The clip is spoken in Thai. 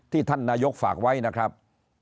ท่านนายกฝากไว้นะครับ